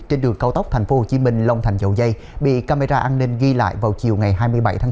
trên đường cao tốc tp hcm long thành dậu dây bị camera an ninh ghi lại vào chiều ngày hai mươi bảy tháng chín